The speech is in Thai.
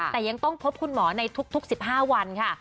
แต่ยังต้องพบคุณหมอในทุก๑๕วันค่ะ